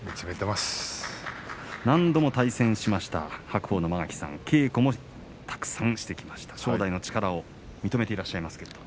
何度も対戦しました間垣さん、稽古もたくさんしてきました正代が力を認めていらっしゃいますが。